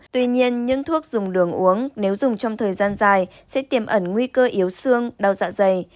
tuy nhiên những thuốc dùng đường uống nếu dùng trong thời gian dài sẽ tiềm ẩn nguy cơ yếu xương đau dạ dày